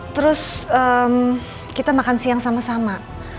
terus kita makan siang sama sama